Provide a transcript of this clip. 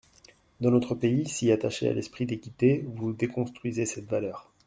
Dans notre pays, si attaché à l’esprit d’équité, vous déconstruisez cette valeur.